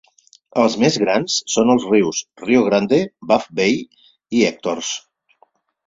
Els més grans són els rius Rio Grande, Buff Bay i Hectors.